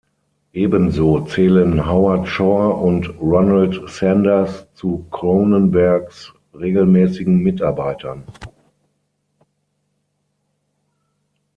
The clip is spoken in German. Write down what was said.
Ebenso zählen Howard Shore und Ronald Sanders zu Cronenbergs regelmäßigen Mitarbeitern.